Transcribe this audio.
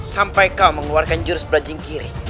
sampai kau mengeluarkan jurus brajin kiri